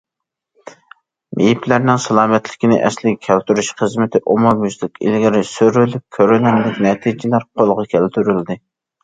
مېيىپلەرنىڭ سالامەتلىكىنى ئەسلىگە كەلتۈرۈش خىزمىتى ئومۇميۈزلۈك ئىلگىرى سۈرۈلۈپ كۆرۈنەرلىك نەتىجىلەر قولغا كەلتۈرۈلدى.